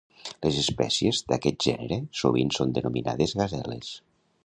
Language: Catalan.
Les espècies d'aquest gènere sovint són denominades gaseles.